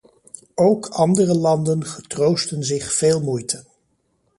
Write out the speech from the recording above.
Ook andere landen getroosten zich veel moeite.